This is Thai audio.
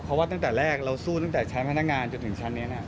เพราะว่าตั้งแต่แรกเราสู้ตั้งแต่ชั้นพนักงานจนถึงชั้นนี้